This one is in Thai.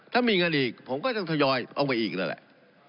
ถ้ามีเงินอีกผมก็จะถยอยออกไปอีกเลยแหละ